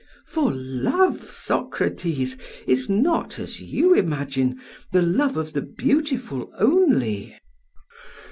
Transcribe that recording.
For love, Socrates, is not as you imagine, the love of the beautiful only.'